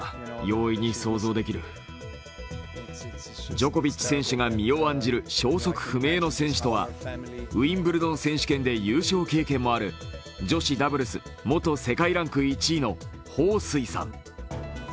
ジョコビッチ選手が身を案じる消息不明の選手とはウィンブルドン選手権で優勝経験もある女子ダブルス元世界ランク１位の彭帥さん。